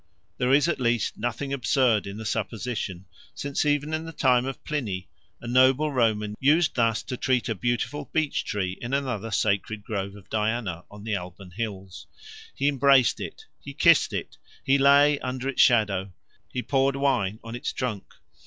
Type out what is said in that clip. There is at least nothing absurd in the supposition, since even in the time of Pliny a noble Roman used thus to treat a beautiful beech tree in another sacred grove of Diana on the Alban hills. He embraced it, he kissed it, he lay under its shadow, he poured wine on its trunk.